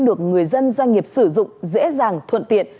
được người dân doanh nghiệp sử dụng dễ dàng thuận tiện